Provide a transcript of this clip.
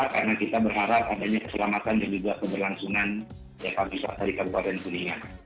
karena kita berharap adanya keselamatan dan juga keberlangsungan yang bisa dari kabupaten kuningan